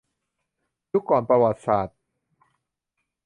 ยุคก่อนประวัติศาสตร์